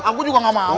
aku juga gak mau